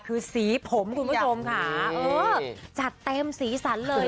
คือสีผมคุณผู้ชมค่ะเออจัดเต็มสีสันเลย